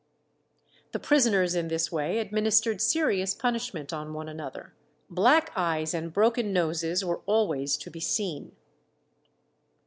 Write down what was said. The prisoners in this way administered serious punishment on one another. Black eyes and broken noses were always to be seen.